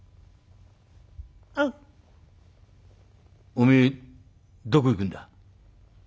「おめえどこ行くんだ？」。